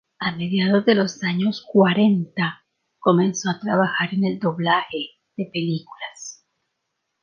A mediados de los años cuarenta comenzó a trabajar en el doblaje de películas.